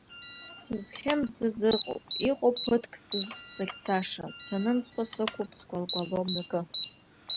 Сызхьымӡаз ыҟоуп, иҟоуп ԥыҭк сзыхьӡаша, санымҵкәа сықәуп, скәал-кәало мҩакы.